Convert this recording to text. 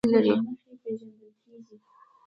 دا حقیقت نه پټېږي چې د مینې احساس له ایمان سره اړیکې لري